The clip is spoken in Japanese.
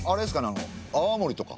あの「泡盛」とか。